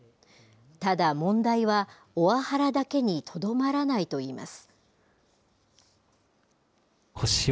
ただ、問題はオワハラだけにとどまらないと言います。